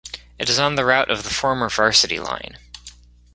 It is on the route of the former Varsity Line.